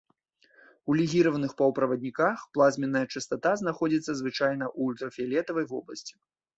У легіраваных паўправадніках плазменная частата знаходзіцца звычайна ў ультрафіялетавай вобласці.